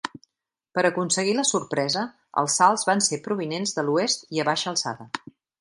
Per aconseguir la sorpresa, els salts van ser provinents de l'oest i a baixa alçada.